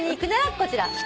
こちら。